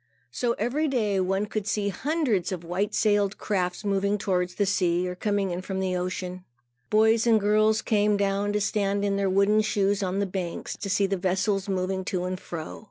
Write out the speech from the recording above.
So every day, one could see hundreds of white sailed craft moving towards the sea, or coming in from the ocean. Boys and girls came down to stand in their wooden shoes on the banks, to see the vessels moving to and fro.